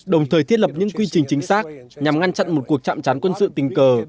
đồng thời thiết lập những quy trình chính xác nhằm ngăn chặn một cuộc chạm trán quân sự tình cờ